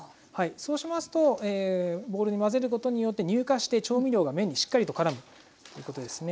そうしますとボウルに混ぜることによって乳化して調味料が麺にしっかりとからむということですね。